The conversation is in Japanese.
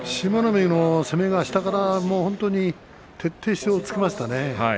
海の攻めが下から本当に徹底して押っつけましたね。